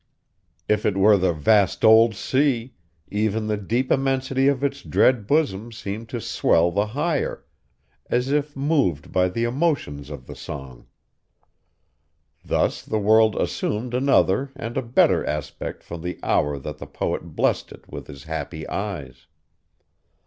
If it were the vast old sea, even the deep immensity of its dread bosom seemed to swell the higher, as if moved by the emotions of the song. Thus the world assumed another and a better aspect from the hour that the poet blessed it with his happy eyes.